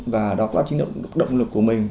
và đó cũng chính là động lực của mình